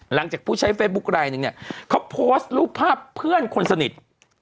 หลังจากผู้ใช้เฟซบุ๊คไลนึงเนี่ยเขาโพสต์รูปภาพเพื่อนคนสนิท